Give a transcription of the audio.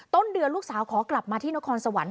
ต้นเดือนลูกสาวขอกลับมาที่นครสวรรค